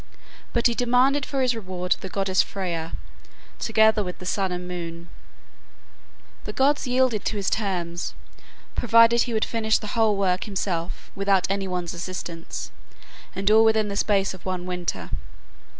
But he demanded for his reward the goddess Freya, together with the sun and moon. The gods yielded to his terms, provided he would finish the whole work himself without any one's assistance, and all within the space of one winter.